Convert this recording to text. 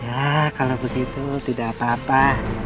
ya kalau begitu tidak apa apa